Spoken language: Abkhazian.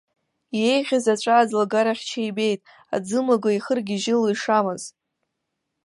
Еиӷьыз аҵәа аӡлагарахьча ибеит, аӡымлага ихыргьежьыло ишамаз.